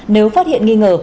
nếu phát hiện nghi ngờ